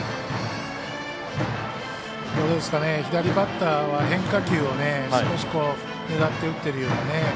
左バッターは変化球を少し狙って打っているような。